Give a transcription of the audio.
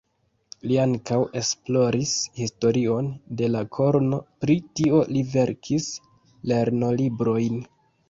Li ankaŭ esploris historion de la korno, pri tio li verkis lernolibrojn.